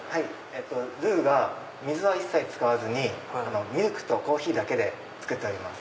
ルーが水は一切使わずにミルクとコーヒーで作ってます。